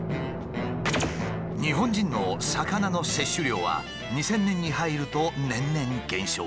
日本人の魚の摂取量は２０００年に入ると年々減少。